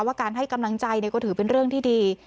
การให้กำลังใจก็ถือเป็นเรื่องที่ดี